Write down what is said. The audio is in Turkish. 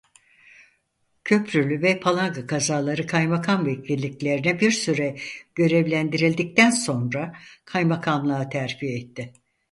Köprülü ve Palanga Kazaları kaymakam vekilliklerine bir süre görevlendirildikten sonra kaymakamlığa terfi etti.